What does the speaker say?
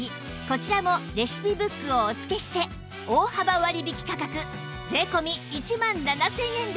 こちらもレシピブックをお付けして大幅割引価格税込１万７０００円です